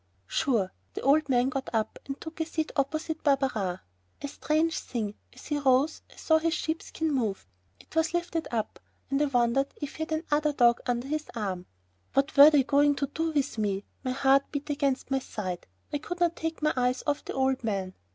"Sure." The old man got up and took a seat opposite Barberin. A strange thing, as he rose, I saw his sheepskin move. It was lifted up, and I wondered if he had another dog under his arm. What were they going to do with me? My heart beat against my side, I could not take my eyes off the old man.